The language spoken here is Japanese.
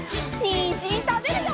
にんじんたべるよ！